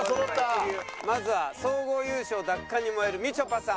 まずは総合優勝奪還に燃えるみちょぱさん。